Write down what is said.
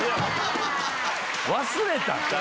忘れたん